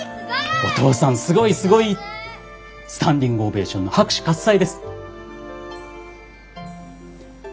お父さんすごいすごいってスタンディングオベーションの拍手喝采です。